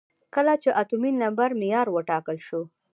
کله چې اتومي نمبر معیار وټاکل شو.